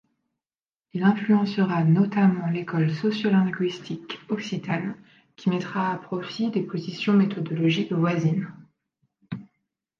Il influencera notamment l'école sociolinguistique occitane qui mettra à profit des positions méthodologiques voisines.